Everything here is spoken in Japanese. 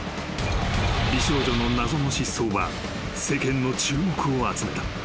［美少女の謎の失踪は世間の注目を集めた］